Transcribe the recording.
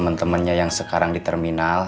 sama temen temennya yang sekarang di terminal